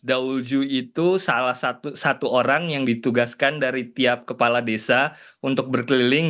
dauju itu salah satu orang yang ditugaskan dari tiap kepala desa untuk berkeliling